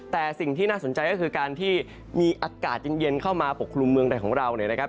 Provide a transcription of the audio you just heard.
แต่สิ่งที่น่าสนใจก็คือการที่มีอากาศเย็นเข้ามาปกคลุมเมืองไทยของเราเนี่ยนะครับ